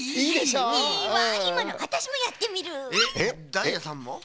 ダイヤさんも？え？